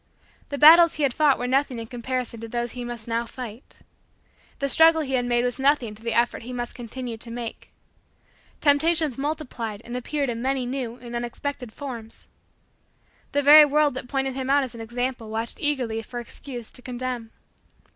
The battles he had fought were nothing in comparison to those he must now fight. The struggle he had made was nothing to the effort he must continue to make. Temptations multiplied and appeared in many new and unexpected forms. The very world that pointed him out as an example watched eagerly for excuse to condemn.